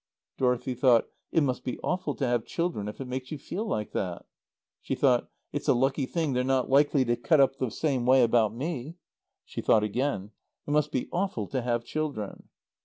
Dorothy thought, "It must be awful to have children if it makes you feel like that." She thought, "It's a lucky thing they're not likely to cut up the same way about me." She thought again, "It must be awful to have children."